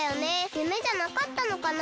ゆめじゃなかったのかな？